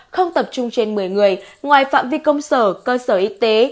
không tập trung trên một mươi người ngoài phạm vi công sở cơ sở y tế